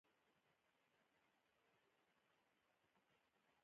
بزګان د افغانستان د ناحیو ترمنځ تفاوتونه رامنځ ته کوي.